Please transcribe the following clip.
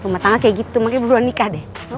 rumah tangga kayak gitu makanya belum nikah deh